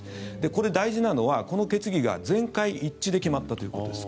これ、大事なのは、この決議が全会一致で決まったということです。